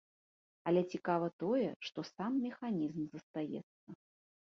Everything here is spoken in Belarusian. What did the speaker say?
Але цікава тое, што сам механізм застаецца.